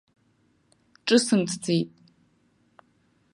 Ҿысымҭӡеит.